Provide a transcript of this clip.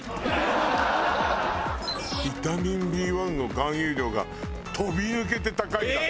ビタミンＢ１の含有量が飛び抜けて高いんだって。